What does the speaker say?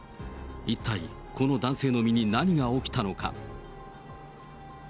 一体、この男性の身に何が起きたのか。